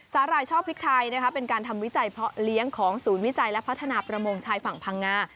หร่ายช่อพริกไทยเป็นการทำวิจัยเพาะเลี้ยงของศูนย์วิจัยและพัฒนาประมงชายฝั่งพังงา